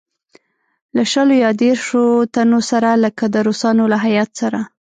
له شلو یا دېرشوتنو سره لکه د روسانو له هیات سره.